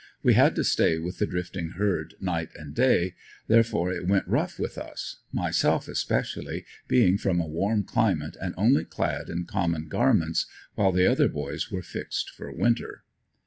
We had to stay with the drifting herd night and day, therefore it went rough with us myself especially, being from a warm climate and only clad in common garments, while the other boys were fixed for winter.